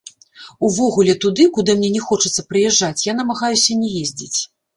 Увогуле, туды, куды мне не хочацца прыязджаць, я намагаюся не ездзіць.